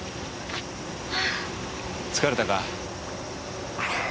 疲れたか？